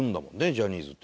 ジャニーズってね。